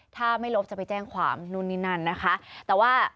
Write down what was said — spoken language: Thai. ถ้าไม่ลบจะไปแจ้งความนู่นนี่นั่นนะคะแต่ว่า